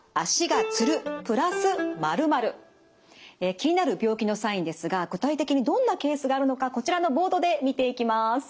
気になる病気のサインですが具体的にどんなケースがあるのかこちらのボードで見ていきます。